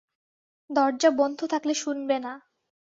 দরজা বন্ধ থাকলে শুনবে না।